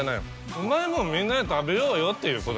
うまいものみんなで食べようよっていうこと。